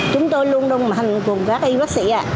chúng tôi luôn đồng hành cùng các y bác sĩ ạ